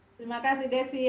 terima kasih desi